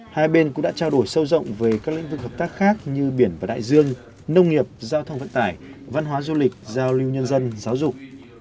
hai bên cũng đã trao đổi sâu rộng về các lĩnh vực hợp tác khác như biển và đại dương nông nghiệp giao thông vận tải văn hóa du lịch giao lưu nhân dân giáo dục